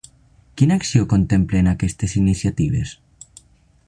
Quina acció contemplen aquestes iniciatives?